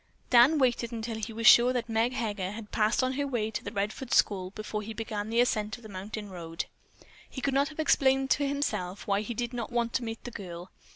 Dan waited until he was sure that Meg Heger had passed on her way to the Redfords school before he began the ascent of the mountain road. He could not have explained to himself why he did not want to meet the girl.